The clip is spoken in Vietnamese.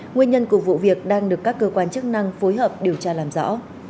nguyên nhân của vụ việc đang được các cơ quan chức năng phối hợp điều tra làm rõ